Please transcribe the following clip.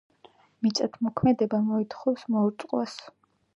მიწათმოქმედება მოითხოვს მორწყვას.